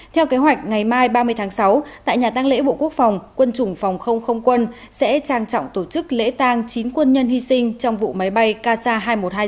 theo kế hoạch ngày mai ba mươi tháng sáu tại nhà tăng lễ bộ quốc phòng quân chủng phòng không không quân sẽ trang trọng tổ chức lễ tăng chín quân nhân hy sinh trong vụ máy bay casa hai trăm một mươi hai rơi